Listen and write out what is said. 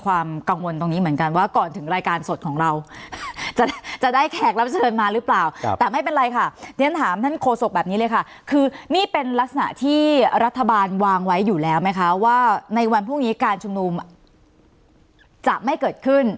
ว่าในวันพวกนี้การชุมนุมจะไม่เกิดขึ้น